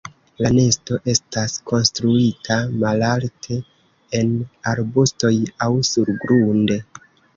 La nesto estas konstruita malalte en arbustoj aŭ surgrunde.